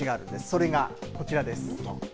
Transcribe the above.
それがこちらです。